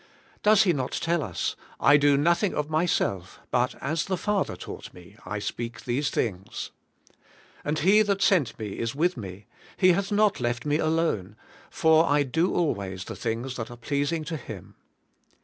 Does He not tell us, *I do nothing of myself, but as the Father taught me, I speak these things. And He that sent me is with me; He hath not left me alone; for I do always the things that are pleasing to Him.'